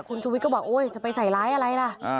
คุณชุวิตก็บอกโอ๊ยจะไปใส่ร้ายอะไรล่ะ